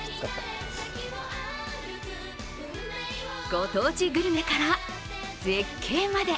ご当地グルメから絶景まで。